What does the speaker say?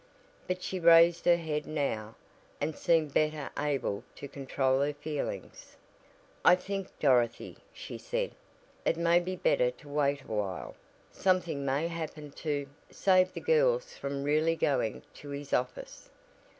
But she raised her head now, and seemed better able to control her feelings. "I think, Dorothy," she said, "it may be better to wait awhile. Something may happen to save the girls from really going to his office.